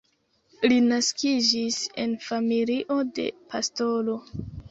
Li naskiĝis en familio de pastoro.